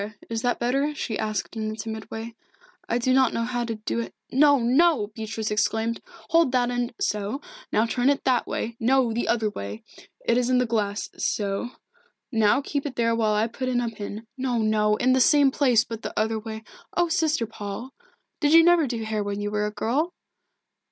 Is that better?" she asked in a timid way. "I do not know how to do it " "No, no!" Beatrice exclaimed. "Hold that end so now turn it that way no, the other way it is in the glass so now keep it there while I put in a pin no, no in the same place, but the other way oh, Sister Paul! Did you never do your hair when you were a girl?"